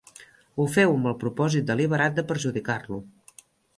Ho feu amb el propòsit deliberat de perjudicar-lo.